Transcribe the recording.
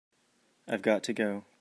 I've got to go.